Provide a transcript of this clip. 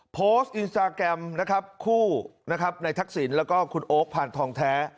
โพสต์อินสตาแกรมนะครับคู่นะครับในทักษิณแล้วก็คุณโอ๊คผ่านทองแท้